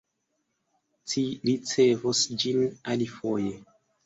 Ci ricevos ĝin alifoje.